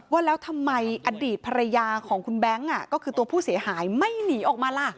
ว่าแล้วทำไมอดีตภรรยาของคุณแบงค์ก็คือตัวผู้เสียหายไม่หนีออกมาล่ะ